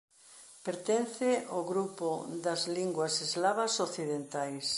Pertence ao grupo das linguas eslavas occidentais.